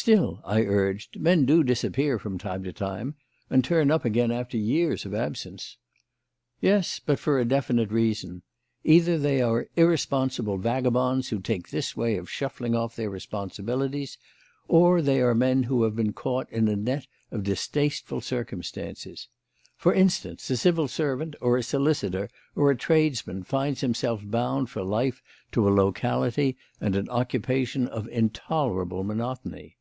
"Still," I urged, "men do disappear from time to time, and turn up again after years of absence." "Yes, but for a definite reason. Either they are irresponsible vagabonds who take this way of shuffling off their responsibilities, or they are men who have been caught in a net of distasteful circumstances. For instance, a civil servant or a solicitor or a tradesman finds himself bound for life to a locality and an occupation of intolerable monotony.